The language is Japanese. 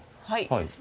はい。